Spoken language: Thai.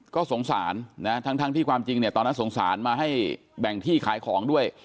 ก็สงสารนะทั้งที่ความจริงเนี่ยตอนนั้นสงสารมาให้แบ่งที่ขายของด้วย